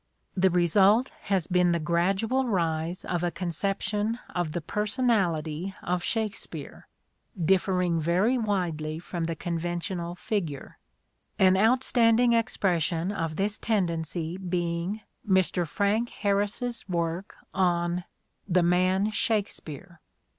The result has been the gradual rise of a conception of the personality of " Shakespeare," differing very widely from the conventional figure : an outstanding expression of this tendency being Mr. Frank Harris's work on " The Man Shakespeare."